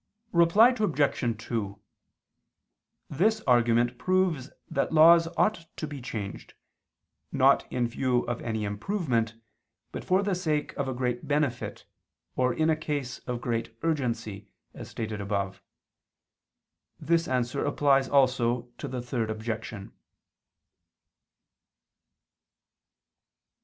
Reply Obj. 2: This argument proves that laws ought to be changed: not in view of any improvement, but for the sake of a great benefit or in a case of great urgency, as stated above. This answer applies also to the Third Objection.